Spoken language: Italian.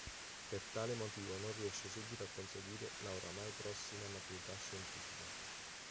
Per tale motivo non riesce subito a conseguire la ormai prossima maturità scientifica.